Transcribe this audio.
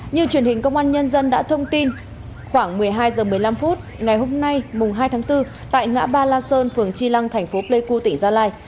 như truyền hình công an nhân dân đã thông tin khoảng một mươi hai h một mươi năm phút ngày hôm nay mùng hai tháng bốn tại ngã ba la sơn phường chi lăng thành phố pleiku tỉnh gia lai